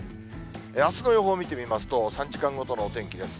あすの予報を見てみますと、３時間ごとのお天気です。